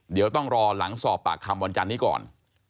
เดี๋ยวต้องรอหลังสอบปากคำวันจันนี้ก่อน